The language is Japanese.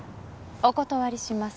お断りします。